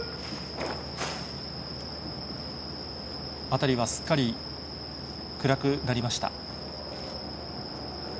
辺りはすっかり暗くなりました。